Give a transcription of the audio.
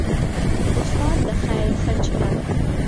استاد د خیر سرچینه ده.